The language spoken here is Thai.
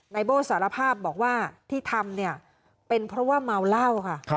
โบ้สารภาพบอกว่าที่ทำเนี่ยเป็นเพราะว่าเมาเหล้าค่ะ